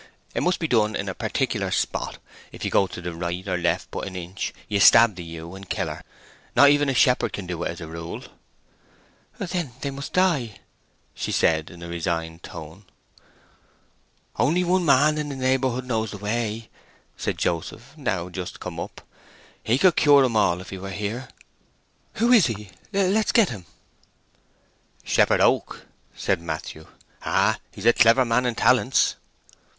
It must be done in a particular spot. If ye go to the right or left but an inch you stab the ewe and kill her. Not even a shepherd can do it, as a rule." "Then they must die," she said, in a resigned tone. "Only one man in the neighbourhood knows the way," said Joseph, now just come up. "He could cure 'em all if he were here." "Who is he? Let's get him!" "Shepherd Oak," said Matthew. "Ah, he's a clever man in talents!"